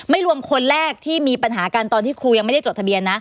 รวมคนแรกที่มีปัญหากันตอนที่ครูยังไม่ได้จดทะเบียนนะ